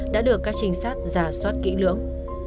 đã được các trinh sát giả soát kỹ lưỡng